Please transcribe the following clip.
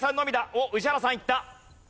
おっ宇治原さんいった。